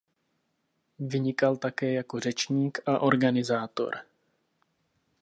Vynikal také jako řečník a organizátor.